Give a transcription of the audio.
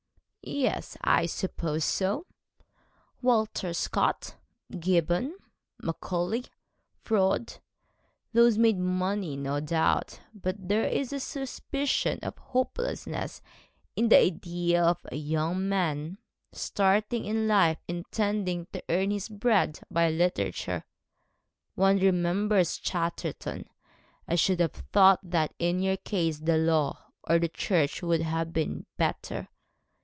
'Yes, I suppose so. Walter Scott, Gibbon, Macaulay, Froude, those made money no doubt. But there is a suspicion of hopelessness in the idea of a young man starting in life intending to earn his bread by literature. One remembers Chatterton. I should have thought that in your case the law or the church would have been better.